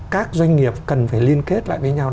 các doanh nghiệp cần phải liên kết lại với nhau